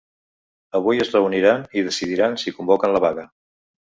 Avui es reuniran i decidiran si convoquen la vaga.